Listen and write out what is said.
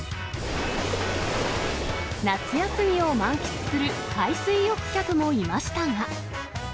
夏休みを満喫する海水浴客もいましたが。